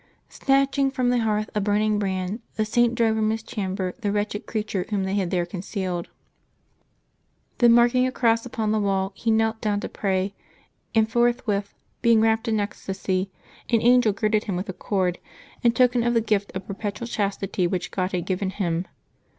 Snatching from the hearth a burning brand, the Saint drove from his chamber the wretched creature whom they had there concealed. Then marking a cross upon the wall, he knelt down to pray, and forthwith, being rapt in ecstasy, an angel girded him with a cord, in token of the gift of perpetual chastity which God had given him.